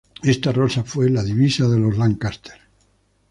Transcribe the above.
Esta rosa fue divisa de los Lancaster.